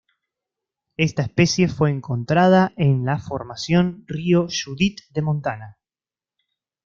Esta especie fue encontrada en la Formación Río Judith de Montana.